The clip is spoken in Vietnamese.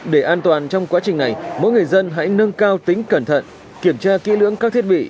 để an toàn trong quá trình này mỗi người dân hãy nâng cao tính cẩn thận kiểm tra kỹ lưỡng các thiết bị